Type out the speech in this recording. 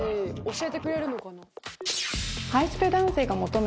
教えてくれるのかな？